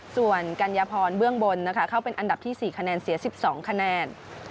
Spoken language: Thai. ส่วนกัญญพรเบื้องบนนะคะเข้าเป็นอันดับที่๔คะแนนเสีย๑๒คะแนน